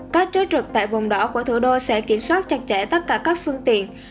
các chốt trực tại vùng đỏ của thủ đô sẽ kiểm soát chặt chẽ tất cả các phương tiện